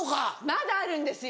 まだあるんですよ。